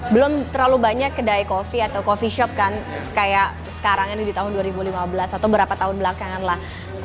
belum terlalu banyak kedai kopi atau coffee shop kan kayak sekarang ini di tahun dua ribu lima belas atau berapa tahun belakangan lah